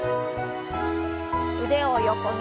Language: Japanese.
腕を横に。